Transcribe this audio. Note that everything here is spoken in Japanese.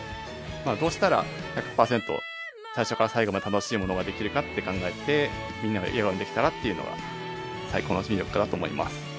どうしたら１００パーセント最初から最後まで楽しいものができるかって考えてみんなを笑顔にできたらっていうのが最高の魅力かなと思います。